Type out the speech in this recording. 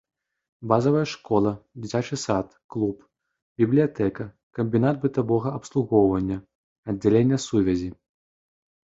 Базавая школа, дзіцячы сад, клуб, бібліятэка, камбінат бытавога абслугоўвання, аддзяленне сувязі.